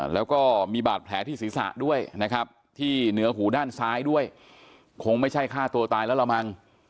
แล้วก็มีบาดแผลที่ศีรษะด้วยนะครับที่เหนือหูด้านซ้ายด้วยคงไม่ใช่ฆ่าตัวตายแล้วละมั้ง